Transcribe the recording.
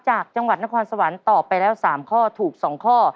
จากจังหวัดนครสวรรค์ตอบไปแล้ว๓ข้อถูก๒ข้อ